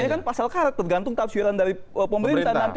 ini kan pasal karat tergantung tahap syiaran dari pemerintah